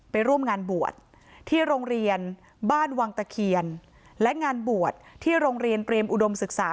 ไปร่วมงานบวชที่โรงเรียนบ้านวังตะเคียนและงานบวชที่โรงเรียนเตรียมอุดมศึกษา